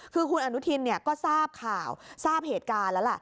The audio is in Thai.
คือคุณอนุทินก็ทราบข่าวทราบเหตุการณ์แล้วล่ะ